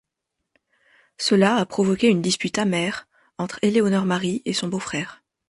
Cela a provoqué une dispute amère entre Éléonore Marie et son beau-frère.